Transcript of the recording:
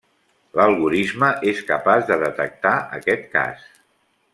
L'algorisme és capaç de detectar aquest cas.